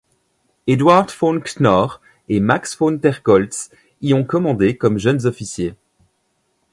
Eduard von Knorr et Max von der Goltz y ont commandé comme jeunes officiers.